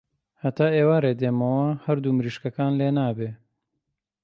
هەتا ئێوارێ دێمەوە هەردوو مریشکەکان لێنابێ.